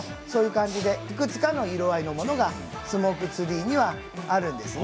いくつかの色合いのものがスモークツリーにはあるんですね。